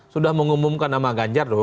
sudah mengumumkan nama ganjar